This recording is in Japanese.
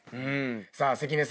さあ関根さん